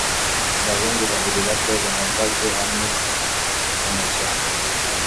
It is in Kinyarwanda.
Abahungu babiri bato bahagaze hamwe mumashyamba